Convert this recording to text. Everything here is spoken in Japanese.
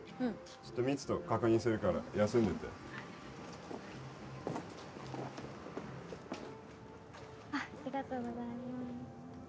ちょっとミツと確認するから休んでてあっありがとうございます